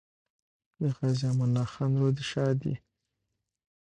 د غازي امان الله خان روح دې ښاد وي.